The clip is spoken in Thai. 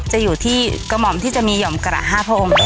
จะอยู่ที่กระหม่อมที่จะมีห่อมกระ๕พระองค์